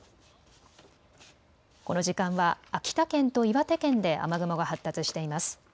この時間は秋田県と岩手県で雨雲が発達しています。